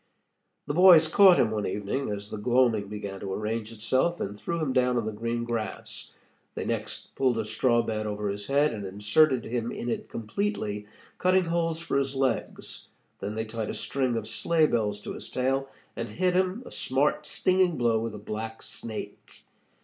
The boys caught him one evening as the gloaming began to arrange itself, and threw him down on the green grass. They next pulled a straw bed over his head, and inserted him in it completely, cutting holes for his legs. Then they tied a string of sleigh bells to his tail, and hit him a smart, stinging blow with a black snake.